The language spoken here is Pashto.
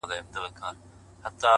په ځان کي ننوتم «هو» ته چي سجده وکړه!